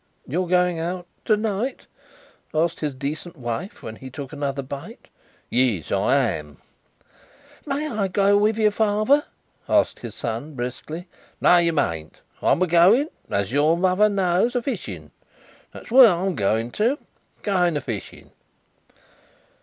"You are going out to night?" asked his decent wife, when he took another bite. "Yes, I am." "May I go with you, father?" asked his son, briskly. "No, you mayn't. I'm a going as your mother knows a fishing. That's where I'm going to. Going a fishing."